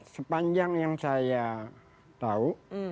sepanjang yang saya tahu